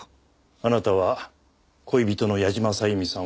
あなたは恋人の矢島さゆみさんを。